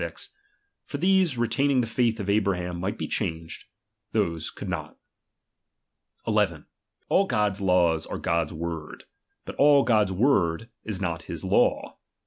For these, retaining the faith of Abraham, might be changed ; those could not. 11. All God's laws are God's word; but all "if 'i;'""*'* God's word is not his law.